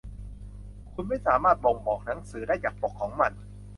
คุณไม่สามารถบ่งบอกหนังสือได้จากปกของมัน